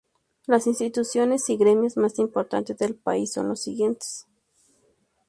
Las instituciones y gremios más importantes del país son los siguientes.